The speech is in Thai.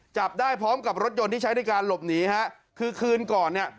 จับได้พร้อมกับรถยนต์ที่ใช้ในการหลบหนีฮะคือคืนก่อนเนี่ย